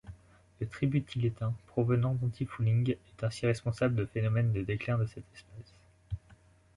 Le tributylétain provenant d'antifoolings est ainsi responsable de phénomènes de déclins de cette espèce.